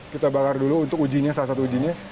kita bakar dulu untuk ujinya salah satu ujinya